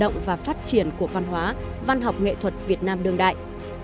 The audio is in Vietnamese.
và cũng là sự vận động và phát triển của văn hóa văn học nghệ thuật việt nam đương đại